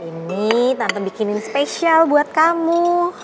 ini tante bikinin spesial buat kamu